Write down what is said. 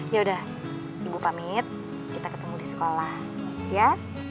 ya udah ibu pamit kita ketemu di sekolah ya